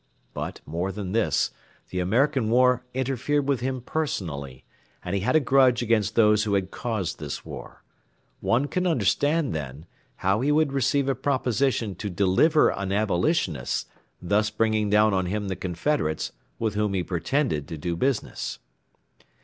But, more than this, the American war interfered with him personally, and he had a grudge against those who had caused this war; one can understand, then, how he would receive a proposition to deliver an Abolitionist, thus bringing down on him the Confederates, with whom he pretended to do business.